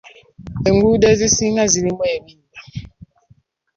Enguudo ezisinga zirimu ebinnya.